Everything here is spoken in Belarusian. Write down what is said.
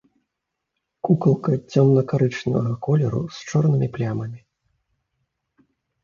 Кукалка цёмна-карычневага колеру з чорнымі плямамі.